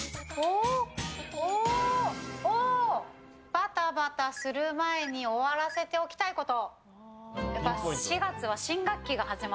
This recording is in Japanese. バタバタする前に終わらせておきたいこと。